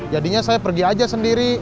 jadinya saya pergi aja sendiri